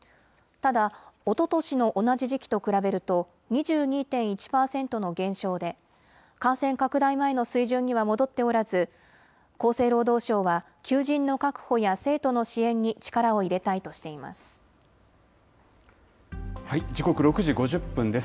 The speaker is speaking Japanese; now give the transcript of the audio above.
ただ、おととしの同じ時期と比べると、２２．１％の減少で、感染拡大前の水準には戻っておらず、厚生労働省は、求人の確保や生徒の支援に力を入れたいとしています。